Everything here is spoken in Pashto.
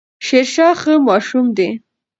شيرشاه ښه ماشوم دی